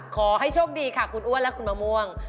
ขอให้โชคดีค่ะคุณอ้วนและคุณมะม่วง